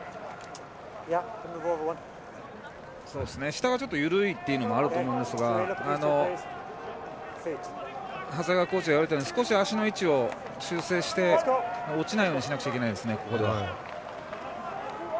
下が少し緩いというのもあると思いますが長谷川コーチが言われたように足の位置を修正して落ちないようにしなくちゃいけないですね、ここでは。